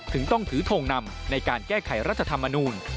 ถึงต้องถือทงนำในการแก้ไขรัฐธรรมนูล